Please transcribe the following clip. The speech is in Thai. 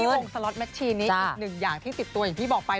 วงสล็อตแมชชีนี้อีกหนึ่งอย่างที่ติดตัวอย่างที่บอกไป